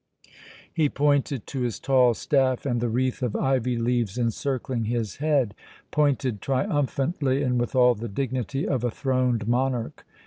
He pointed to his tall staff and the wreath of ivy leaves encircling his head, pointed triumphantly and with all the dignity of a throned monarch.